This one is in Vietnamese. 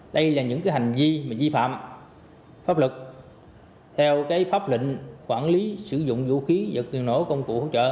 đây là những hành vi mà di phạm pháp luật theo pháp lệnh quản lý sử dụng vũ khí giật liều nổ công cụ hỗ trợ